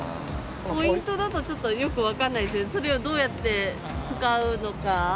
ポイントだと、ちょっとよく分かんないですね、それをどうやって使うのか。